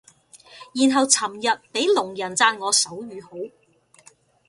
然後尋日俾聾人讚我手語好